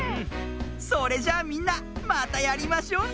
それじゃあみんなまたやりましょうね。